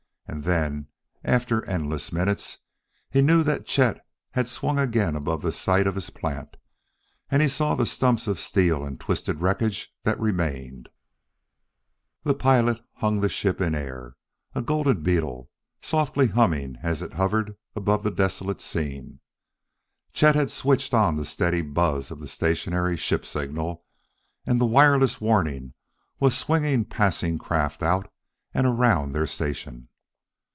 And then, after endless minutes, he knew that Chet had swung again above the site of his plant, and he saw the stumps of steel and twisted wreckage that remained.... The pilot hung the ship in air a golden beetle, softly humming as it hovered above the desolate scene. Chet had switched on the steady buzz of the stationary ship signal, and the wireless warning was swinging passing craft out and around their station.